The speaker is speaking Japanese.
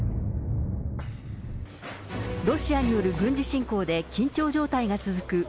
ロシアによる軍事侵攻で、緊張状態が続く